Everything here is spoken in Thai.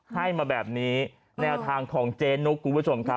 ให้มาแบบนี้แนวทางของเจ๊นุกคุณผู้ชมครับ